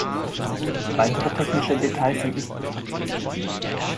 Weitere technische Details sind nicht bekannt.